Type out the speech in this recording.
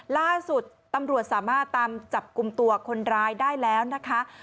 ล่าสุดตำรวจสามารถตามจับกลุ่มตัวคนร้ายได้แล้วนะคะ